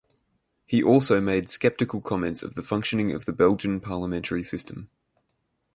He also made skeptical comments of the functioning of the Belgian parliamentary system.